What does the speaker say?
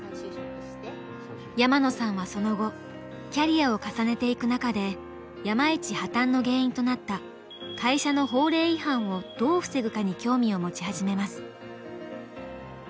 山野さんはその後キャリアを重ねていく中で山一破綻の原因となった「会社の法令違反」をどう防ぐかに興味を持ち始めます。